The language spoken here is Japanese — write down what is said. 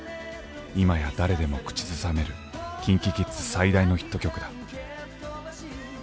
今や誰でも口ずさめるＫｉｎＫｉＫｉｄｓ最大のヒット曲だ。